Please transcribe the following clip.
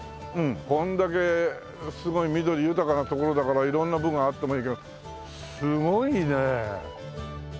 これだけすごい緑豊かな所だから色んな部があってもいいけどすごいね。